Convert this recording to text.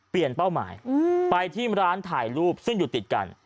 เปลี่ยนเป้าหมายอืมไปที่ร้านถ่ายรูปซึ่งอยู่ติดกัน